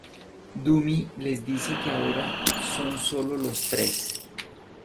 Dummy les dice que ahora sólo son los tres.